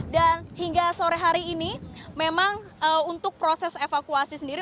dan hingga sore hari ini memang untuk proses evakuasi sendiri